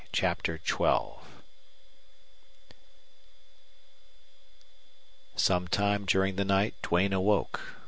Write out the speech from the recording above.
CHAPTER XII Some time during the night Duane awoke.